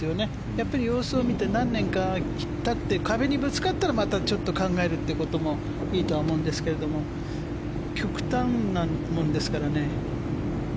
やっぱり様子を見て何年かたって壁にぶつかったらまたちょっと考えるということもいいとは思うんですけど極端なものですからね。